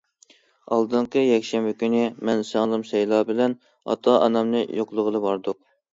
ئالدىنقى يەكشەنبە كۈنى مەن سىڭلىم سەيلا بىلەن ئاتا- ئانامنى يوقلىغىلى باردۇق.